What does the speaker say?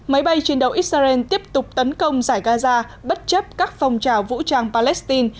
máy bay chiến đấu israel tiếp tục tấn công giải gaza bất chấp các phong trào vũ trang palestine